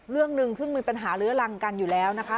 เรื่องหนึ่งซึ่งมีปัญหาเลื้อรังกันอยู่แล้วนะคะ